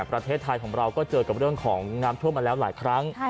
ประเทศไทยของเราก็เจอกับเรื่องของน้ำท่วมมาแล้วหลายครั้ง